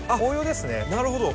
なるほど。